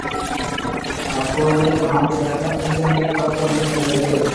அப்போது நான் சற்றுப் பின்தங்கிப் புறப்படும்படி நேர்ந்தது.